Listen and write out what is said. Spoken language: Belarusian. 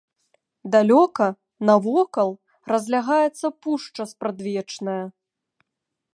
Далёка навакол разлягаецца пушча спрадвечная.